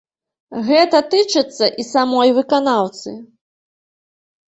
Гэта тычыцца і самой выканаўцы.